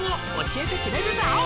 「教えてくれるぞ」